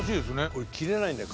これ切れないんだよ